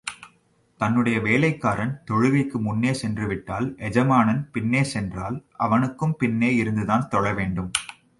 தன்னுடைய வேலைக்காரன் தொழுகைக்கு முன்னே சென்று விட்டால், எஜமானன் பின்னே சென்றால், அவனுக்கும் பின்னே இருந்துதான் தொழ வேண்டும்.